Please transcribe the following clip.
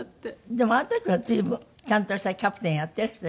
でもあの時は随分ちゃんとしたキャプテンやってらしたじゃないですか。